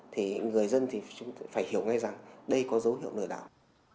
thì người dân thì chúng phải hiểu ngay rằng đây có dấu hiệu lừa đảo